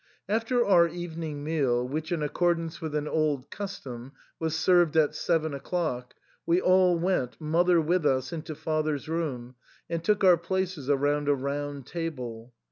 After our evening meal, which, in accordance with an old custom, was served at seven o'clock, we all went, mother with us, into father's room, and took our places around a round table.